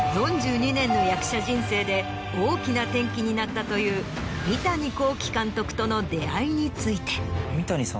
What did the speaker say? ４２年の役者人生で大きな転機になったという三谷幸喜監督との出会いについて。